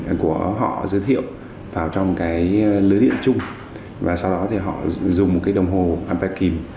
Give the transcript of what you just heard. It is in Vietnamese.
tức là họ sử dụng hiệu vào trong cái lưới điện chung và sau đó thì họ dùng một cái đồng hồ ampere kìm